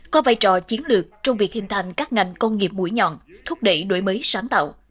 có vai trò chiến lược trong việc hình thành các ngành công nghiệp mũi nhọn thúc đẩy đổi mới sáng tạo